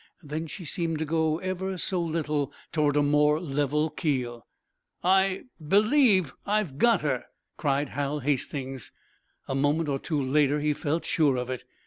Then she seemed to go, ever so little, toward a more level keel. "I believe I've got her!" cried Hal Hastings. A moment or two later he felt sure of it.